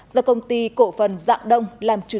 do công ty cổ phần dạng đông làm chủ